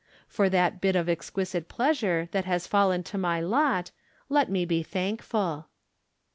For that bit of exquisite pleasure that has fallen to my lot, let me be thankful.